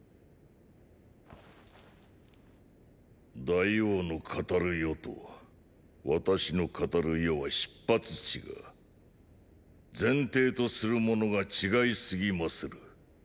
大王の語る世と私の語る世は出発地が前提とするものが違いすぎまする。